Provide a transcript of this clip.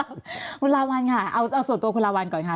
คุณลาวัลค่ะเอาส่วนตัวคุณลาวัลก่อนค่ะ